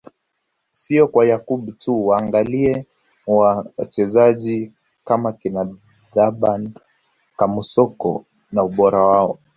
Sio kwa Yakub tu waangalie wachezaji kama kina Thaban Kamusoko na ubora wao